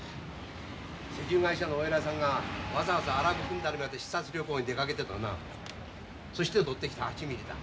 石油会社のお偉いさんがわざわざアラブくんだりまで視察旅行に出かけてだなそして撮ってきた８ミリだ。